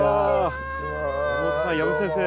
山本さん養父先生。